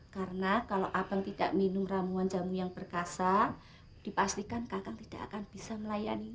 karena kalau abang tidak minum jamu jamu yang berkasa dipastikan kakang tidak akan bisa melayani